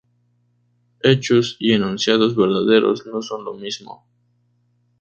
Hechos y enunciados verdaderos no son lo mismo.